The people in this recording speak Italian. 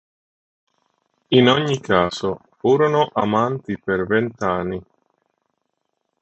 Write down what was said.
In ogni caso, furono amanti per vent’anni.